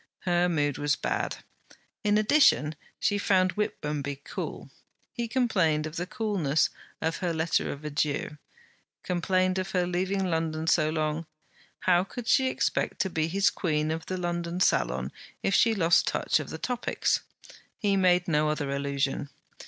Her mood was bad. In addition, she found Whitmonby cool; he complained of the coolness of her letter of adieu; complained of her leaving London so long. How could she expect to be his Queen of the London Salon if she lost touch of the topics? He made no other allusion.